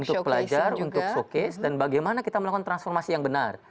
untuk pelajar untuk showcase dan bagaimana kita melakukan transformasi yang benar